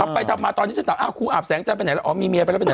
พาไปตามตอนนี้จะถามอะครูอาบแสงจันทร์ไปไหนอ๋อมีเมียแหลือไปไหน